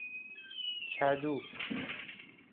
کدو